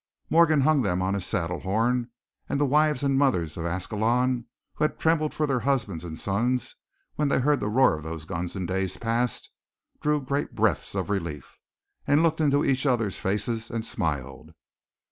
Morgan hung them on his saddle horn, and the wives and mothers of Ascalon who had trembled for their husbands and sons when they heard the roar of those guns in days past, drew great breaths of relief, and looked into each other's faces and smiled.